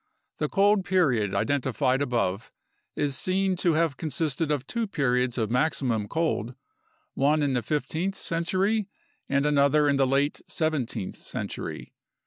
The cold period identified above is seen to have consisted of two periods of maximum cold, one in the fifteenth century and another in the late seventeenth century.